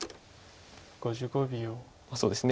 そうですね